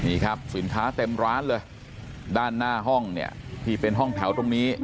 นี่ครับสินค้าเต็มร้านเลยด้านหน้าห้องเนี่ยที่เป็นห้องแถวตรงนี้